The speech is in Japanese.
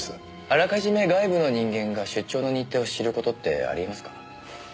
あらかじめ外部の人間が出張の日程を知る事ってありえますか？